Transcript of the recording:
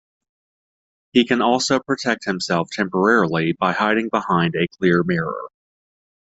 He can also protect himself temporarily by hiding behind a clear mirror.